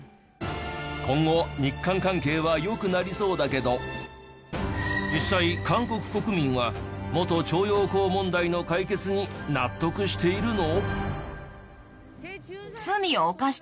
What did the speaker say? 今後日韓関係は良くなりそうだけど実際韓国国民は元徴用工問題の解決に納得しているの？